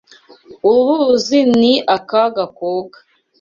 Uru ruzi ni akaga koga.